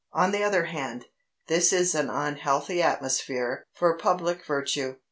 On the other hand, this is an unhealthy atmosphere for public virtue.